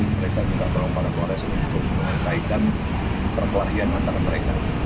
mereka minta tolong para kores untuk menyelesaikan perkelahian antara mereka